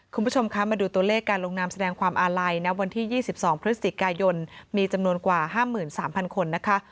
คุณผู้ชมคะมาดูตัวเลขการลงนามแสดงความอาลัยณวันที่๒๒พฤศจิกายนมีจำนวนกว่า๕๓๐๐คนนะคะ